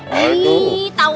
sama om gensi sama om randy